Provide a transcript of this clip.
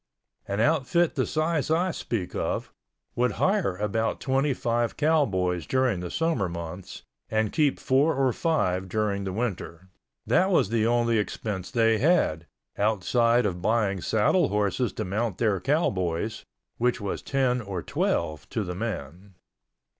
An outfit the size I speak of, would hire about twenty five cowboys during the summer months and keep four or five during the winter. That was the only expense they had, outside of buying saddle horses to mount their cowboys—which was ten or twelve to the man.